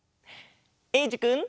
えいじくん。